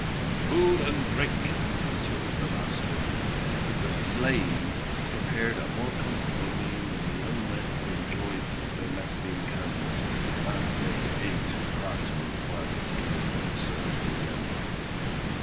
"Food and drink!" answered the master. The slave prepared a more comfortable meal than the young men had enjoyed since they left the encampment, and they ate heartily while the slave served them.